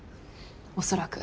おそらく。